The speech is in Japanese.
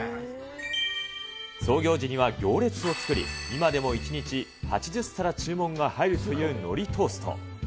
創業時には行列を作り、今でも１日８０皿注文が入るというのりトースト。